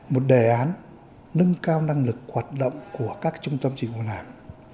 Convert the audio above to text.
một đề án nâng cao năng lực hoạt động của các trung tâm chính phủ làm